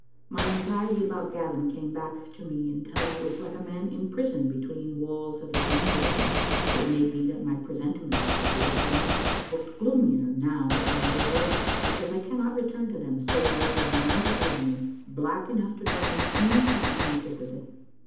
My anxiety about Gavin came back to me until I was like a man imprisoned between walls of his own building. It may be that my presentiments of that afternoon look gloomier now than they were, because I cannot return to them save over a night of agony, black enough to darken any time connected with it.